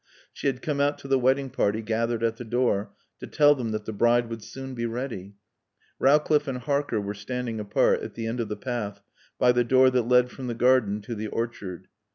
She had come out to the wedding party gathered at the door, to tell them that the bride would soon be ready. Rowcliffe and Harker were standing apart, at the end of the path, by the door that led from the garden to the orchard.